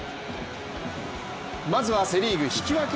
まずはセ・リーグ引き分け